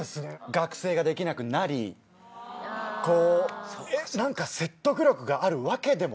学生ができなくなりこう説得力があるわけでもない。